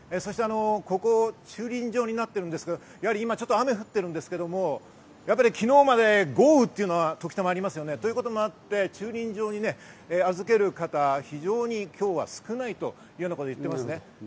ここは駐輪場になってるんですが、今、雨降ってるんですけれども、昨日まで豪雨というのは時たまありますよね。ということもあって駐輪場に預ける方、非常に今日は少ないというようなことを言っています。